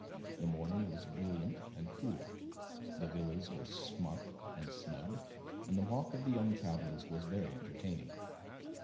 The morning was brilliant and cool, the villas were smart and snug, and the walk of the young travelers was very entertaining.